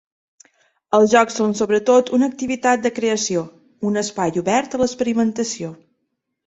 Els jocs són sobretot una activitat de creació, un espai obert a l’experimentació.